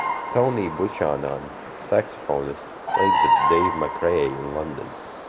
Tony Buchanan, saxophonist, played with Dave Macrae in London.